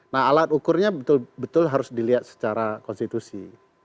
nah alat ukurnya betul betul harus dilihat secara konstitusi